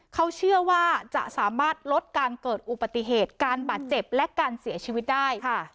เขาเชื่อว่าจะสามารถลดการเกิดอุบัติเหตุการบาดเจ็บและการเสียชีวิตได้ค่ะ